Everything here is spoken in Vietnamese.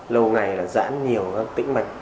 lâu ngày là giãn nhiều các tĩnh mạch